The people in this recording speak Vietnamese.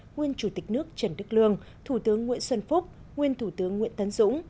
nguyên chủ tịch nước trần đức lương thủ tướng nguyễn xuân phúc nguyên thủ tướng nguyễn tấn dũng